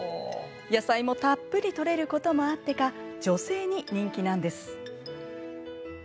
野菜もたっぷりとれることもあってか女性に人気なんです。